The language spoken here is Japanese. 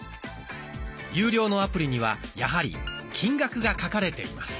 有料のアプリにはやはり金額が書かれています。